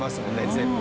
全部。